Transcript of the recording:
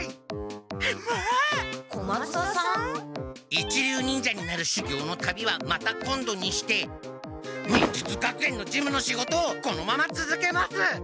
一流忍者になるしゅぎょうの旅はまた今度にして忍術学園の事務の仕事をこのままつづけます！